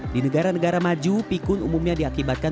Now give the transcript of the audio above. di negara negara maju pikun umumnya diakibatkan